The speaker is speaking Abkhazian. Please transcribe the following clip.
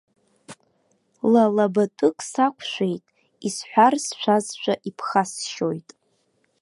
Лалабатәык сақәшәеит, исҳәар, сшәазшәа, иԥхасшьоит.